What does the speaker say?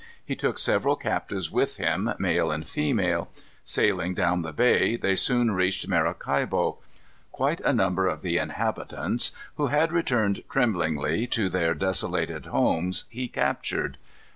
He took several captives with him, male and female. Sailing down the bay, they soon reached Maracaibo. Quite a number of the inhabitants, who had returned tremblingly to their desolated homes, he captured.